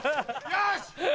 よし！